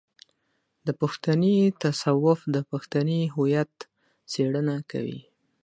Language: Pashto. د پښتني تصوف د پښتني هويت څېړنه کوي.